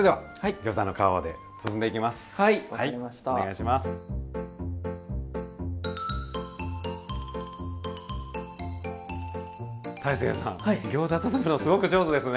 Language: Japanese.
ギョーザ包むのすごく上手ですね。